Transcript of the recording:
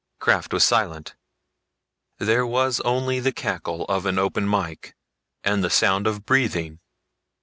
Krafft was silent. There was only the crackle of an open mike and the sound of breathing.